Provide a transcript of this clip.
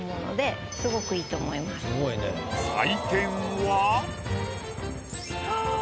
採点は。